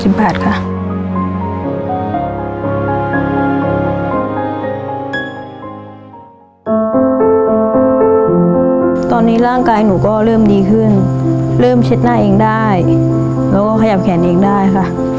ตอนนี้ร่างกายหนูก็เริ่มดีขึ้นเริ่มเช็ดหน้าเองได้แล้วก็ขยับแขนเองได้ค่ะ